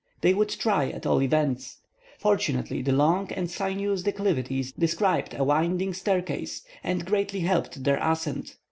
They would try, at all events. Fortunately, the long and sinuous declivities described a winding staircase, and greatly helped their ascent.